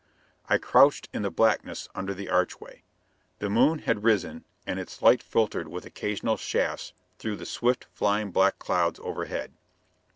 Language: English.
I crouched in the blackness under the archway. The moon had risen and its light filtered with occasional shafts through the swift flying black clouds overhead.